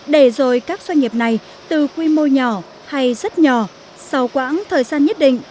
để rồi các doanh nghiệp này từ quy mô nhỏ hay rất nhỏ sau quãng thời gian nhất định